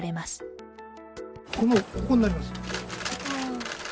この、ここになります。